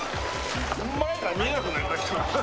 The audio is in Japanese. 前が見えなくなりました。